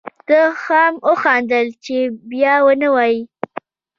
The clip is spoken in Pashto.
ده هم وخندل چې بیا و نه وایې.